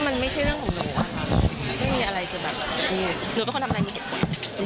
มันไม่ใช่เรื่องของหนูอะค่ะไม่มีอะไรจะแบบหนูเป็นคนทำอะไรมีเหตุผล